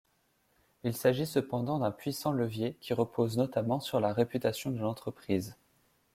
Il s’agit cependant d’un puissant levier, qui repose notamment sur la réputation de l’entreprise.